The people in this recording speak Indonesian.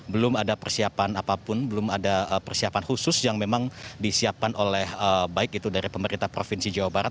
belum ada persiapan apapun belum ada persiapan khusus yang memang disiapkan oleh baik itu dari pemerintah provinsi jawa barat